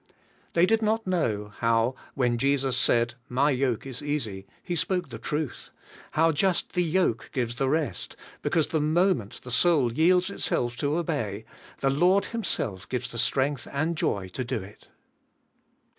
They did not know how, when Jesus said, 'My yoke is easy,' He spoke the truth; how just the yoke gives the rest^ because the moment the soul yields itself to obey, the Lord Him self gives the strength and joy to do it.